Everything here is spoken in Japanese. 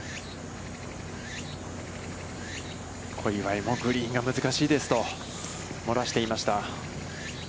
小祝もグリーンが難しいですと、漏らしていました。